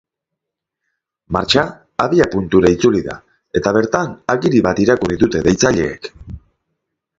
Martxa abiapuntura itzuli da, eta bertan agiri bat irakurri dute deitzaileek.